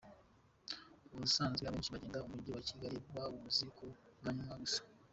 Ubusanzwe abenshi bagenda umujyi wa Kigali bawuzi ku manywa gusa.